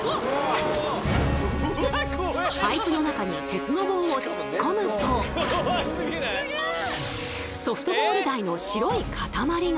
パイプの中に鉄の棒を突っ込むとソフトボール大の白いかたまりが。